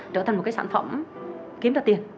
trở thành một cái sản phẩm kiếm ra tiền